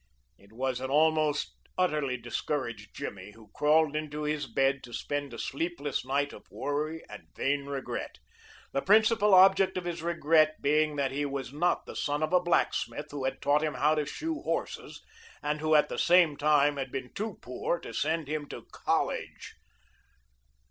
It was an almost utterly discouraged Jimmy who crawled into his bed to spend a sleepless night of worry and vain regret, the principal object of his regret being that he was not the son of a blacksmith who had taught him how to shoe horses and who at the same time had been too poor to send him to college.